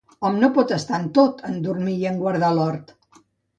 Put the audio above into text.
Hom no pot estar en tot, en dormir i en guardar l'hort.